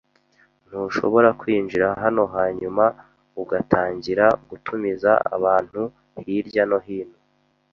Ntushobora kwinjira hano hanyuma ugatangira gutumiza abantu hirya no hino.